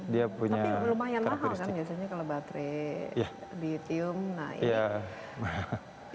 tapi lumayan mahal kan biasanya kalau baterai lithium naik